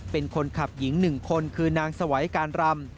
เป็นคนขับหญิง๑คนคือนางสวัยการรำ